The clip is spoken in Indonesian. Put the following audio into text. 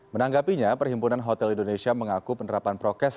menanggapinya perhimpunan hotel indonesia mengaku penerapan prokes